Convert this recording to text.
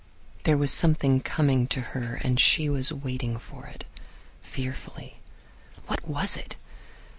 There was something coming to her and she was waiting for it, fearfully. What was it?